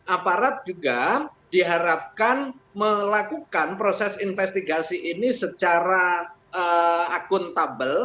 aparat juga diharapkan melakukan proses investigasi ini secara akuntabel